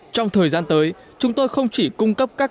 trong thời gian tới chúng tôi không chỉ cung cấp các